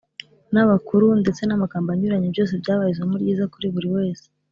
n’abakuru, ndetse n’amagambo anyuranye. byose byabaye isomo ryiza kuri buri wese.